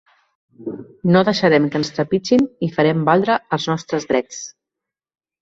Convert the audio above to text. No deixarem que ens trepitgin i farem valdre els nostres drets.